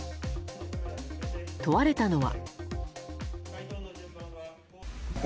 問われたのは。